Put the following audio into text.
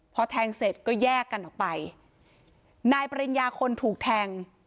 พอแทงเสร็จก็แยกกันออกไปนายปริญญาคนถูกแทง